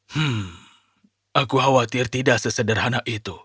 hmm aku khawatir tidak sesederhana itu